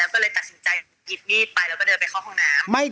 ก็เลยตัดสินใจหยิบมีดไปแล้วก็เดินไปเข้าห้องน้ำ